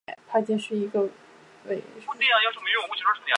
帕金是一个位于美国阿肯色州克罗斯县的城市。